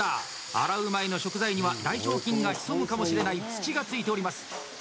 洗う前の食材には大腸菌が潜むかもしれない土が付いております。